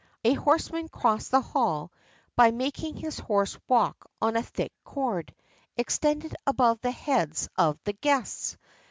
A horseman crossed the hall by making his horse walk on a thick cord, extended above the heads of the guests.